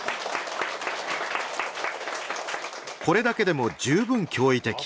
これだけでも十分驚異的。